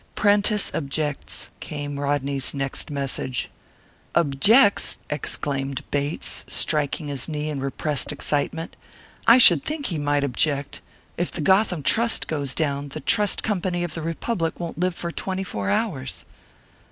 "Prentice objects," came Rodney's next message. "Objects!" exclaimed Bates, striking his knee in repressed excitement. "I should think he might object. If the Gotham Trust goes down, the Trust Company of the Republic won't live for twenty four hours."